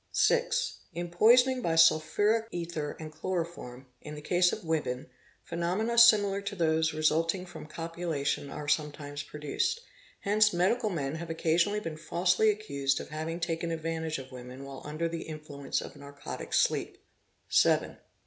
6. In poisoning by Sulphuric ether and Chloroform, in the case Teh AUNQUE FI BT A RA TL sia 0 LED OA earw "of women, phenomena similar to those resulting from copulation are ~ sometimes produced; hence medical men have occasionally been falsely 4 'accused of having taken advantage of women, while under the influence > f narcotic sleep. i _ 7.